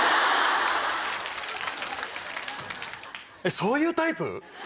そういうタイプ？